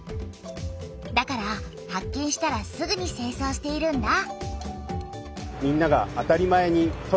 だから発見したらすぐにせいそうしているんだ。